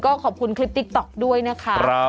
ก็ขอบคุณคลิปติ๊กต๊อกด้วยนะคะ